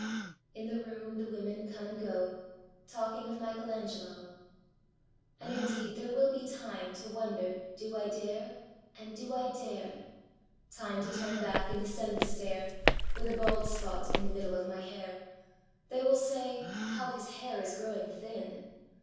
In the room the women come and goTalking of Michelangelo.And indeed there will be timeTo wonder, "Do I dare?" and, "Do I dare?"Time to turn back and descend the stair, With a bald spot in the middle of my hair—(They will say: "How his hair is growing thin!")